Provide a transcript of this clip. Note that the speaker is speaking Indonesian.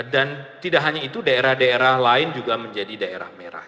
dan tidak hanya itu daerah daerah lain juga menjadi daerah merah